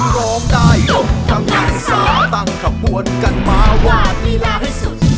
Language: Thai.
ร้องได้ยกกำลังซ่าตั้งขบวนกันมาวัดวีลาให้สุด